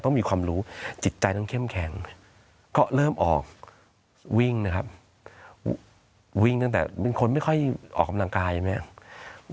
มีความรู้จิตใจต้องเข้มแข็งก็เริ่มออกวิ่งนะครับวิ่งตั้งแต่เป็นคนไม่ค่อยออกกำลังกายใช่ไหมครับ